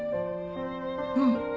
うん。